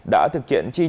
đã thực hiện tri trị